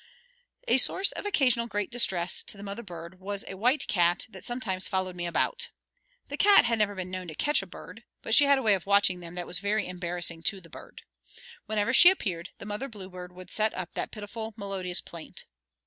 A source of occasional great distress to the mother bird was a white cat that sometimes followed me about. The cat had never been known to catch a bird, but she had a way of watching them that was very embarrassing to the bird. Whenever she appeared, the mother bluebird would set up that pitiful melodious plaint.